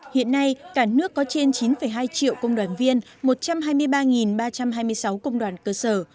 hiện nay cả nước có trên chín hai triệu công đoàn viên một trăm hai mươi ba ba trăm hai mươi sáu công đoàn cơ sở